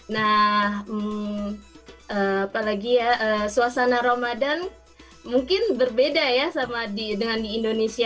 nah apalagi suasana ramadan mungkin berbeda ya dengan di indonesia